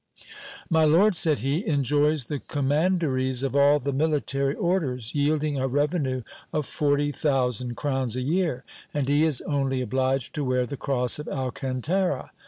My lord, said he, enjoys the commanderies of all the military orders, yielding a revenue of forty thousand crowns a year; and he is only obliged to wear the cross of Alcantara.